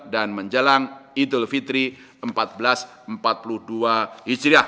dan menjelang idul fitri empat belas empat puluh dua hijriah